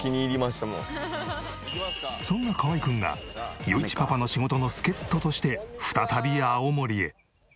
そんな河合くんが余一パパの仕事の助っ人として再び青森へ。